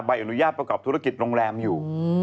ใบอนุญาตประกอบธุรกิจโรงแรมอยู่